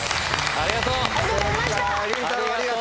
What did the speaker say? ありがとうね。